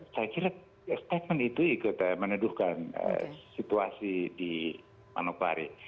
saya kira statement itu ikut meneduhkan situasi di manokwari